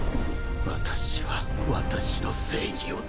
私は私の正義を貫く。